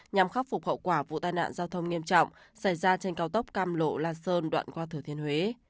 nhằm khắc phục hậu quả vụ tai nạn giao thông nghiêm trọng xảy ra trên cao tốc cam lộ la sơn đoạn qua thừa thiên huế